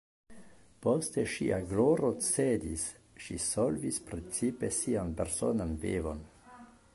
Poste ŝia gloro cedis, ŝi solvis precipe sian personan vivon.